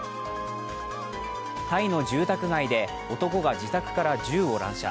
タイの住宅街で男が自宅から銃を乱射。